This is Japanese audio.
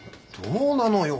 「どうなのよ？」